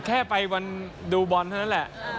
แค่ไปวันดูบอลเท่านั้นแหละ